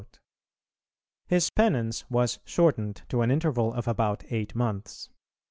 His penance was shortened to an interval of about eight months.